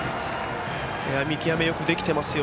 見極めよくできてますよ。